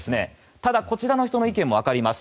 ただ、こちらの人の意見も分かります。